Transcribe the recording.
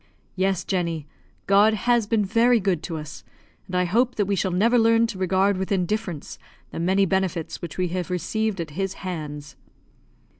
"Yes, Jenny, God has been very good to us, and I hope that we shall never learn to regard with indifference the many benefits which we have received at His hands."